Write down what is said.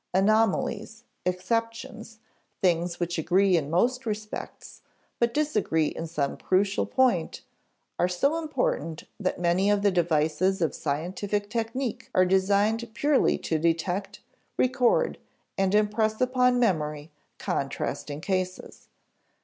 Anomalies, exceptions, things which agree in most respects but disagree in some crucial point, are so important that many of the devices of scientific technique are designed purely to detect, record, and impress upon memory contrasting cases.